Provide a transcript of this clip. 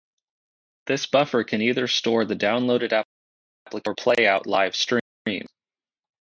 This buffer can either store the downloaded applications or playout live streams.